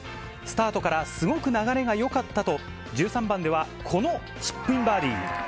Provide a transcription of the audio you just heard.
スタートからすごく流れがよかったと、１３番ではこのチップインバーディー。